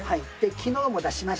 昨日も出しまして。